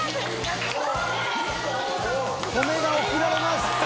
米が贈られます！